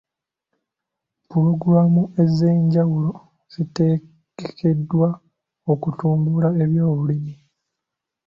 Pulogulaamu ez'enjawulo zitegekeddwa okutumbula ebyobulimi.